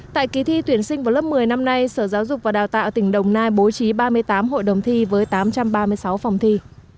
tại kỳ thi tuyển sinh vào lớp một mươi năm nay sở giáo dục và đào tạo tỉnh đồng nai bố trí ba mươi tám hội đồng thi với tám trăm ba mươi sáu phòng thi